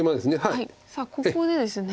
さあここでですね